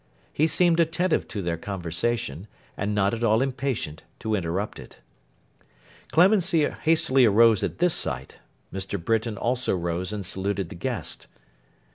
He seemed attentive to their conversation, and not at all impatient to interrupt it. Clemency hastily rose at this sight. Mr. Britain also rose and saluted the guest.